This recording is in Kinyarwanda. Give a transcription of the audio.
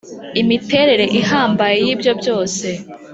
imiterere ihambaye y’ ibyo byose .